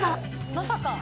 まさか。